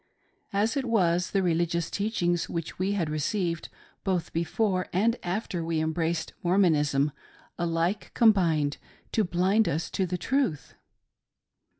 As it was, the religious teachings which we had received both before and after we embraced Mormonism alike combined to blind us to the truth.